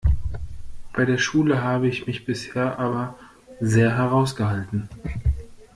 Bei der Schule habe ich mich bisher aber sehr heraus gehalten.